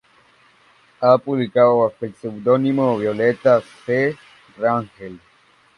Ha publicado bajo el pseudónimo Violeta C. Rangel.